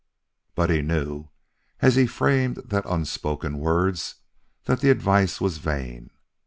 But he knew, as he framed the unspoken words, that the advice was vain.